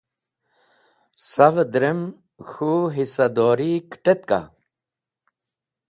Savẽ drem k̃hũ hisadori kẽt̃etka?